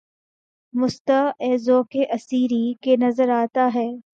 مُژدہ ، اے ذَوقِ اسیری! کہ نظر آتا ہے